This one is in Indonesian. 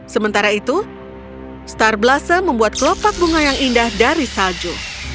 sementara itu star blosso membuat kelopak bunga yang indah dari salju